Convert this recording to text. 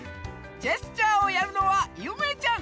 ジェスチャーをやるのはゆめちゃん。